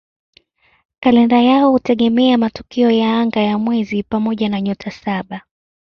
Kalenda yao hutegemea matukio ya anga ya mwezi pamoja na "Nyota Saba".